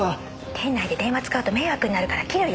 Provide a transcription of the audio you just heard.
店内で電話使うと迷惑になるから切るよ。